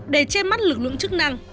để che mắt lực lượng chức năng